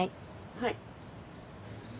はい。